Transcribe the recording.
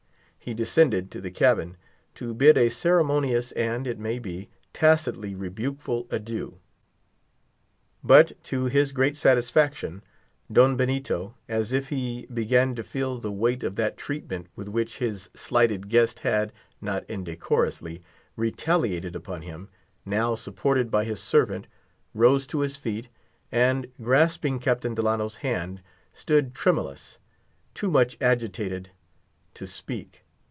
He descended to the cabin to bid a ceremonious, and, it may be, tacitly rebukeful adieu. But to his great satisfaction, Don Benito, as if he began to feel the weight of that treatment with which his slighted guest had, not indecorously, retaliated upon him, now supported by his servant, rose to his feet, and grasping Captain Delano's hand, stood tremulous; too much agitated to speak.